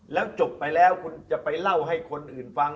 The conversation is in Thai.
แล้วจบไปแล้วคุณจะไปเล่าให้คนอื่นฟัง